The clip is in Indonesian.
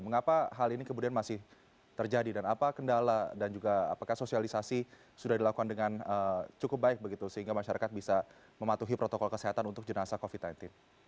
mengapa hal ini kemudian masih terjadi dan apa kendala dan juga apakah sosialisasi sudah dilakukan dengan cukup baik begitu sehingga masyarakat bisa mematuhi protokol kesehatan untuk jenazah covid sembilan belas